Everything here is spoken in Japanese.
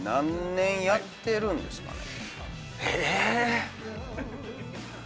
７年半やってるんですね。